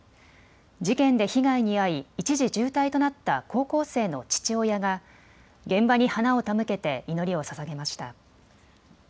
事件で被害に遭い一時重体となった高校生の父親が、現場に花を手向けて祈りをささげました。